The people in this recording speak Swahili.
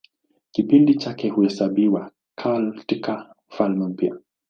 Kipindi chake huhesabiwa katIka Ufalme Mpya.